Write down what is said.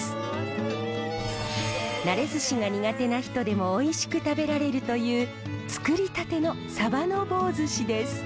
なれずしが苦手な人でもおいしく食べられるというつくりたてのサバの棒ずしです。